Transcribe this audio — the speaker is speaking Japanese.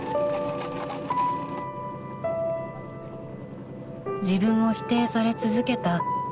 ［自分を否定され続けた苦い記憶］